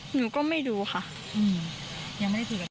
หนูก็ไม่ดูค่ะ